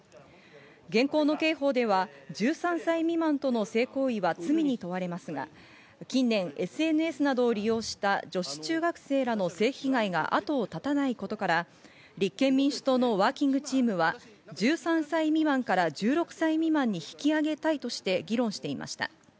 現行の刑法では１３歳未満との性行為は罪に問われますが、近年、ＳＮＳなどを利用した女子中学生らの性被害が後を絶たないことから、立憲民主党のワーキングチームは１３歳未満から１６歳未満に引き上げたいとして議論していました。